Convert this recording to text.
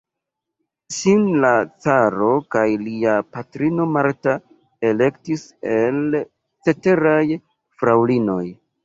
Ŝin la caro kaj lia patrino Marta elektis el ceteraj fraŭlinoj.